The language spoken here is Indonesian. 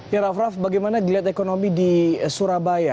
ya raff raff bagaimana dilihat ekonomi di surabaya